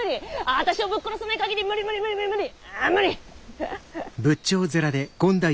私をぶっ殺さない限り無理無理無理無理無理。